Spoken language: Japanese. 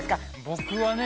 僕はね